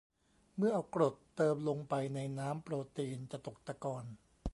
เมื่อเอากรดเติมลงไปในน้ำโปรตีน จะตกตะกอน